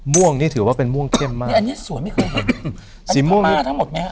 ม่วงนี่ถือว่าเป็นม่วงเข้มมากนี่อันนี้สวยไม่เคยเห็นสีม่าทั้งหมดไหมฮ